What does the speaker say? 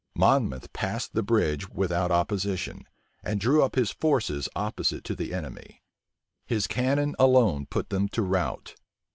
Monmouth passed the bridge without opposition, and drew up his forces opposite to the enemy. His cannon alone put them to rout.